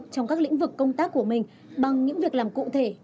trong các lĩnh vực công tác của mình bằng những việc làm cụ thể